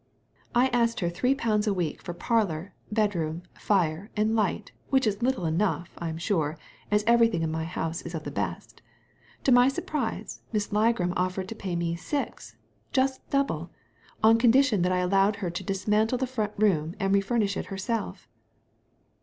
"I asked her three pound a week for parlour, bedroom, fire, and light, which is little enough, I'm sure, as evers^hing in my house is of the best To my surprise. Miss Ligram offered to pay me six— just double — on condition that I allowed her to dismantle the front room, and refurnish it herself."